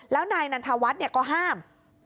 แล้วนายนันทวัฒน์ก็ห้าม